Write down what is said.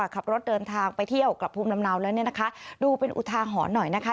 ขับรถเดินทางไปเที่ยวกลับภูมิลำเนาแล้วเนี่ยนะคะดูเป็นอุทาหรณ์หน่อยนะคะ